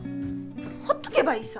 ほっとけばいいさ。